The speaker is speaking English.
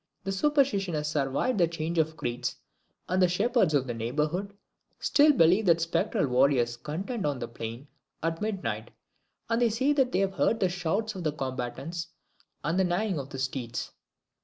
The superstition has survived the change of creeds, and the shepherds of the neighbourhood still believe that spectral warriors contend on the plain at midnight, and they say that they have heard the shouts of the combatants and the neighing of the steeds.